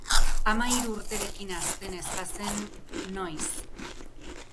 Hamahiru urterekin hazten ez bazen, noiz?